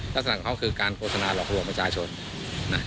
ลักษณะของเค้าก็คือการโปรสนาหลอกหลวงประชาชนนะ